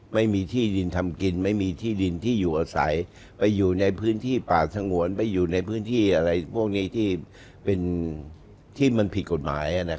ไม่มีที่ดินทำกินไม่มีที่ดินที่อยู่อาศัยไปอยู่ในพื้นที่ป่าสงวนไปอยู่ในพื้นที่อะไรพวกนี้ที่เป็นที่มันผิดกฎหมาย